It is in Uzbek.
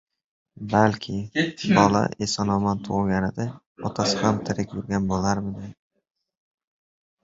Balki, bola eson-omon tug`ilganida otasi ham tirik yurgan bo`larmidi